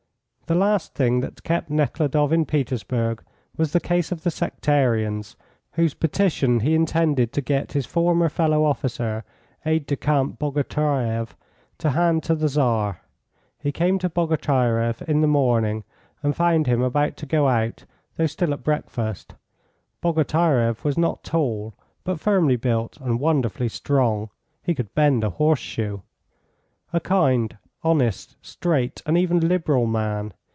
The last thing that kept Nekhludoff in Petersburg was the case of the sectarians, whose petition he intended to get his former fellow officer, Aide de camp Bogatyreff, to hand to the Tsar. He came to Bogatyreff in the morning, and found him about to go out, though still at breakfast. Bogatyreff was not tall, but firmly built and wonderfully strong (he could bend a horseshoe), a kind, honest, straight, and even liberal man.